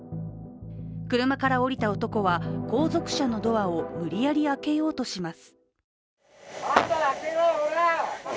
車から降りた男は後続車のドアを無理やり開けようとします。